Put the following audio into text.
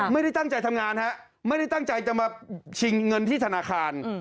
ไม่ได้ตั้งใจทำงานฮะไม่ได้ตั้งใจจะมาชิงเงินที่ธนาคาร